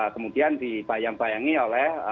kemudian dibayang bayangi oleh